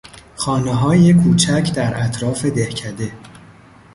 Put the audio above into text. خانههای کوچک در اطراف دهکده